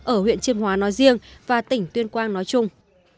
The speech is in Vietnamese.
ở huyện chiêm hóa nói riêng và tỉnh tuyên quang nói chung